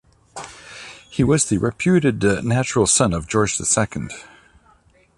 He was the reputed natural son of George the Second.